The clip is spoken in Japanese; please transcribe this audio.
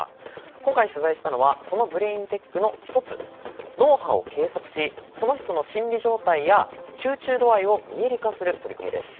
今回取材したのはそのブレインテックの１つ脳波を計測しその人の心理状態や集中度合いを見える化する取り組みです。